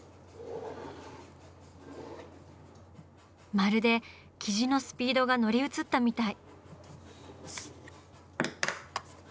まるで雉のスピードが乗り移ったみたい。